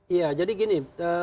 iya jadi gini